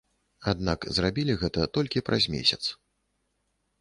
Аднак, зрабілі гэта толькі праз месяц.